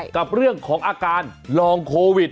กับเรื่องของอาการลองโควิด